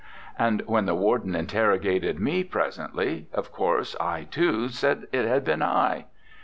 And when the warden interrogated me presently, of course I, too, said it had been I.